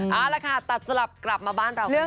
เอาละค่ะตัดสำหรับกลับมาบ้านเราคุณบ้าง